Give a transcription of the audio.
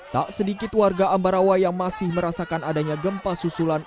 tak sedikit warga ambarawa yang masih merasakan adanya gempa susulan